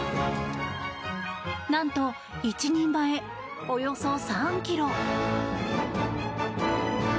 なんと、１人前およそ３ｋｇ。